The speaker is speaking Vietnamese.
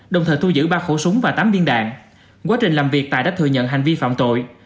đồng thời thu giữ ba khẩu súng và tám viên đạn quá trình làm việc tài đã thừa nhận hành vi phạm tội